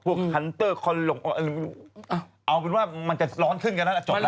คันเตอร์คอนหลงเอาเป็นว่ามันจะร้อนขึ้นกันนั้นจบแล้ว